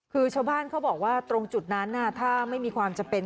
คือชาวบ้านเขาบอกว่าตรงจุดนั้นถ้าไม่มีความจำเป็น